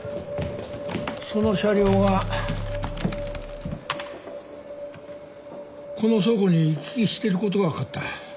その車両がこの倉庫に行き来してることが分かった。